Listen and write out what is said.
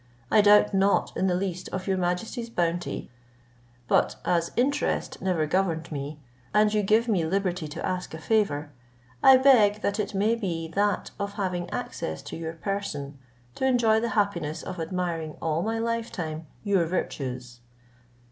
I doubt not in the least of your majesty's bounty; but as interest never governed me, and you give me liberty to ask a favour, I beg that it may be that of having access to your person, to enjoy the happiness of admiring, all my lifetime, your virtues."